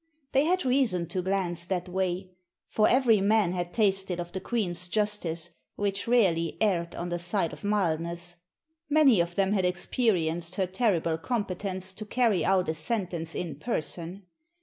They had reason to glance that way; for every man had tasted of the queen's justice, which rarely erred on the side of mildness; many of them had experienced her terrible competence to carry out a sentence in person.